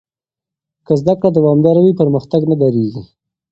که زده کړه دوامداره وي، پرمختګ نه درېږي.